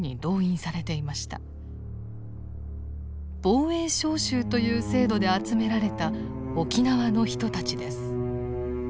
防衛召集という制度で集められた沖縄の人たちです。